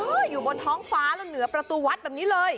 อยู่บนท้องฟ้าแล้วเหนือประตูวัดแบบนี้เลย